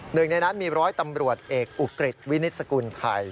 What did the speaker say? หนึ่งในนั้นมีร้อยตำรวจเอกอุกฤษวินิตสกุลไทย